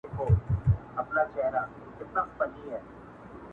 او بیا یې لیکلی دی